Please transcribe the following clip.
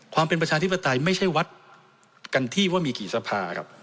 ความเป็นประชาธิปไตยไม่ใช่วัดกันที่ว่ามีกี่สภาคลาโหมครับ